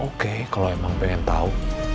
oke kalau emang pengen tahu